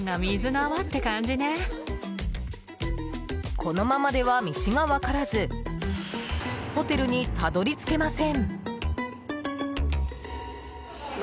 このままでは、道が分からずホテルにたどり着けません。